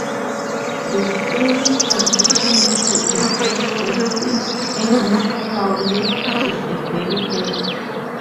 The story transitions to a flashback scene in which Paulie is a baby bird.